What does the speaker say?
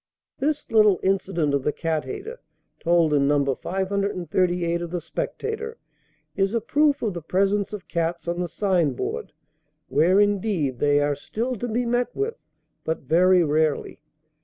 This little incident of the cat hater, told in No. 538 of The Spectator, is a proof of the presence of cats on the sign board, where, indeed, they are still to be met with, but very rarely.